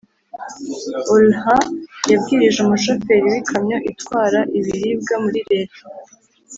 Olha yabwirije umushoferi w ikamyo itwara ibiribwa muri leta